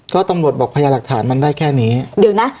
ก็ตำรวจบอกพยาหลักฐานมันได้แค่นี้เดี๋ยวนะ